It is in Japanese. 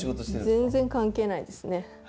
全然関係ないですね。